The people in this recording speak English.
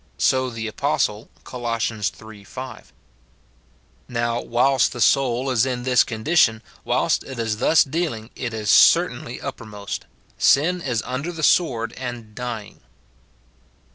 So the apostle. Col. iii. 5. Now, whilst the soul is in this condition, whilst it is thus dealing, it is certainly uppermost ; sin is under the sword and dying.